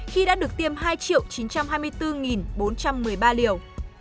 khi đã được tiêm hai chín trăm hai mươi bốn bốn trăm một mươi ba liều